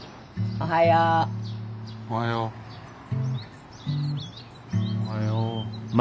おはよう。何？